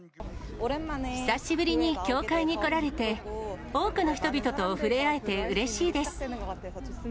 久しぶりに教会に来られて、多くの人々と触れ合えてうれしいです。